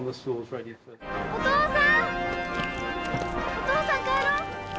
お父さん帰ろう！